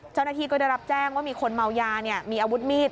เจ้าหน้าที่ก็ได้รับแจ้งว่ามีคนเมายามีอาวุธมีด